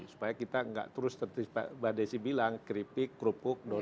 supaya kita enggak terus seperti mbak desya bilang keripik kerupuk keras